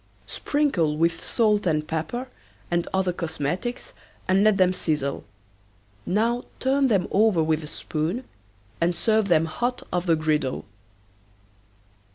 Sprinkle with salt and pepper and other cosmetics and let them sizzle. Now turn them over with a spoon and serve them hot off the griddle.